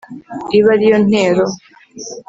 ibe ariyo ntero